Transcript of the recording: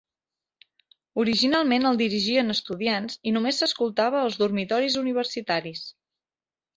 Originalment el dirigien estudiants i només s'escoltava als dormitoris universitaris.